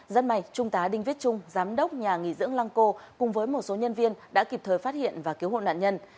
rất may trung tá đinh viết trung giám đốc nhà nghỉ dưỡng lăng cô cùng với một số nhân viên đã kịp thời phát hiện và cứu hộ nạn nhân